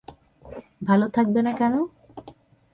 ভালো থাকবে না কেন?